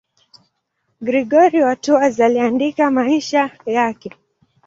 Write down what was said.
Gregori wa Tours aliandika maisha yake.